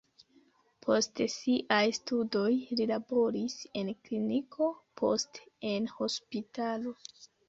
Post siaj studoj li laboris en kliniko, poste en hospitalo.